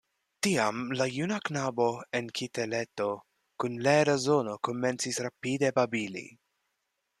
Tiam la juna knabo en kiteleto kun leda zono komencis rapide babili.